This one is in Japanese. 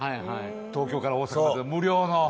東京から大阪まで、無料の。